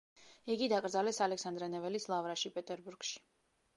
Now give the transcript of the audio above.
იგი დაკრძალეს ალექსანდრე ნეველის ლავრაში, პეტერბურგში.